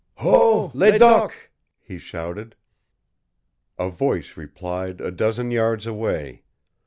"Ho, Ledoq!" he shouted. A voice replied a dozen yards away.